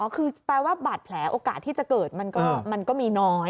คือแปลว่าบาดแผลโอกาสที่จะเกิดมันก็มีน้อย